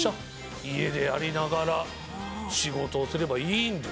家でやりながら仕事をすればいいんです。